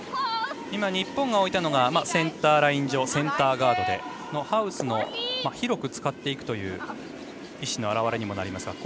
今、日本が置いたのはセンターライン上センターガードでハウスを広く使っていくという意思の表れにもなります。